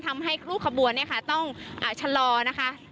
ทำให้รู้ขบวนต้องชะลอนะคะ